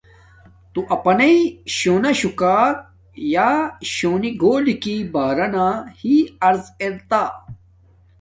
تو اپانݵ شونا شوکاک یا شونی گولی کی بارانا ہݵ عرض ارتہ۔